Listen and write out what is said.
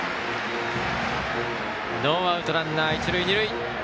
ノーアウトランナー、一塁二塁。